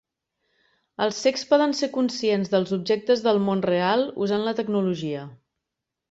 Els cecs poden ser conscients dels objectes del món real usant la tecnologia.